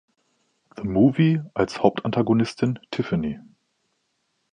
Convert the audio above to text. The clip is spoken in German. The Movie“ als Hauptantagonistin, Tiffany.